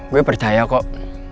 gue percaya kok